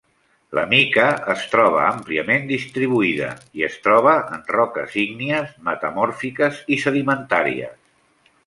La mica es troba àmpliament distribuïda i es troba en roques ígnies, metamòrfiques i sedimentàries.